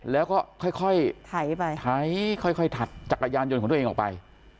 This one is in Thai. แล้วก็ค่อยถัดจากกระยานยนต์ของตัวเองออกไป